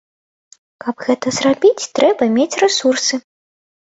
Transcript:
Каб гэта зрабіць, трэба мець рэсурсы.